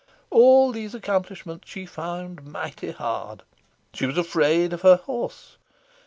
All these accomplishments she found mighty hard. She was afraid of her horse.